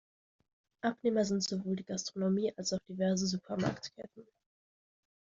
Abnehmer sind sowohl die Gastronomie als auch diverse Supermarktketten.